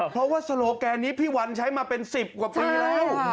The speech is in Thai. เพราะว่าโซโลแกนนี้พี่วันใช้มาเป็น๑๐กว่าปีแล้ว